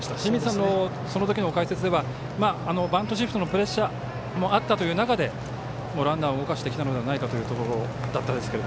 清水さんのそのときの解説ではバントシフトのプレッシャーもあったという中でランナーを動かしてきたのではないかということでしたが。